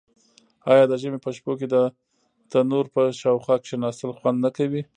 آیا د ژمي په شپو کې د تندور په شاوخوا کیناستل خوند نه کوي؟